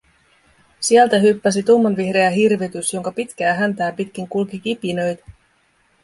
Sieltä hyppäsi tummanvihreä hirvitys, jonka pitkää häntää pitkin kulki kipinöitä.